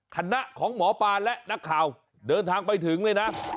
คณะของหมอปลาและนักข่าวเดินทางไปถึงเลยนะ